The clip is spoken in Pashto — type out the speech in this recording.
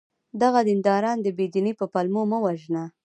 دغه دینداران د بې دینی په پلمو مه وژنه!